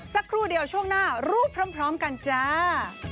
สักครู่เดียวช่วงหน้ารู้พร้อมกันจ้า